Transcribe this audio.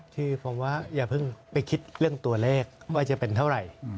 คือผมว่าอย่าเพิ่งไปคิดเรื่องตัวเลขว่าจะเป็นเท่าไหร่